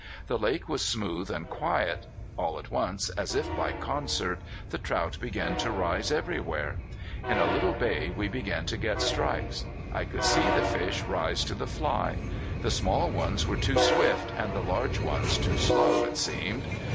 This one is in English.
The lake was smooth and quiet. All at once, as if by concert, the trout began to rise everywhere. In a little bay we began to get strikes. I could see the fish rise to the fly. The small ones were too swift and the large ones too slow, it seemed.